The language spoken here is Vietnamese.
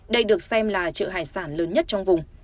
đây được xem là chợ hải sản lớn nhất trong vùng